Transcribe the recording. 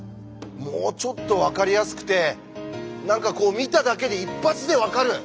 もうちょっと分かりやすくて何かこう見ただけで一発で分かる！